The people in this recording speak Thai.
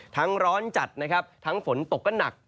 ร้อนจัดนะครับทั้งฝนตกก็หนัก